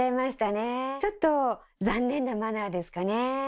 ちょっと残念なマナーですかね。